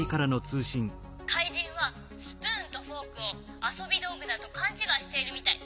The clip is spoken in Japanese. かいじんはスプーンとフォークをあそびどうぐだとかんちがいしているみたい。